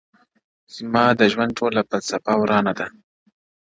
زما د ژوند ټـــوله فـلـــــسفه ورانـــــــــــه ده،